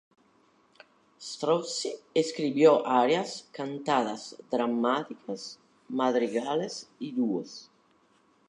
Strozzi escribió arias, cantatas dramáticas, madrigales y dúos.